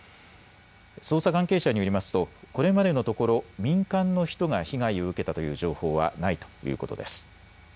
捜査関係者によりますとこれまでのところ、民間の人が被害を受けたという情報はないということです。